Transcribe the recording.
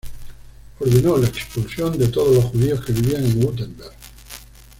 Ordenó la expulsión de todos los judíos que vivían en Wurtemberg.